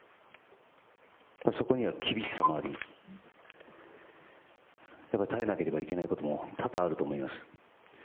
そこには厳しさもあり、やっぱり耐えなければいけないことも多々あると思います。